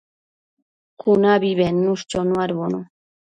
cunabi bednush chonuadbono